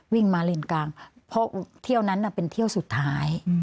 วิ่งมาเลนกลางเพราะเที่ยวนั้นเป็นเที่ยวสุดท้าย